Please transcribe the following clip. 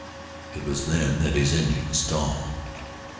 It was then that his engine stalled.